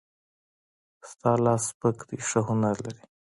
د تا لاس سپک ده ښه هنر لري